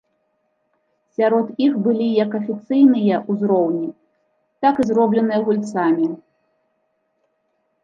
Сярод іх былі як афіцыйныя узроўні, так і зробленыя гульцамі.